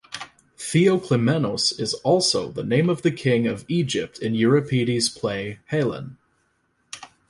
Theoclymenos is also the name of the king of Egypt in Euripides' play "Helen".